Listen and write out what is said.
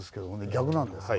逆なんですか。